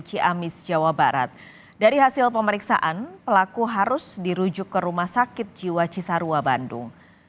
ciamis jawa barat dari hasil pemeriksaan pelaku harus dirujuk ke rumah sakit jiwa cisarua bandung